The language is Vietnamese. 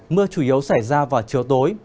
mưa chủ yếu xảy ra vào chiều tối